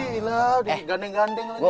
gila udah gandeng gandeng